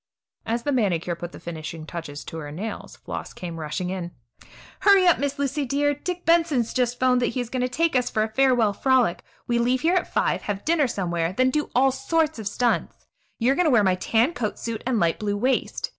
As the manicure put the finishing touch to her nails, Floss came rushing in: "Hurry up, Miss Lucy dear! Dick Benson has just 'phoned that he is going to take us for a farewell frolic. We leave here at five, have dinner somewhere, then do all sorts of stunts. You are going to wear my tan coat suit and light blue waist.